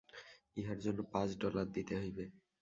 ইহার জন্য পাঁচ ডলার দিতে হইবে।